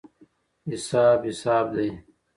حساب حساب دی.